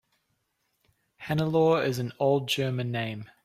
Hannelore is an old German name.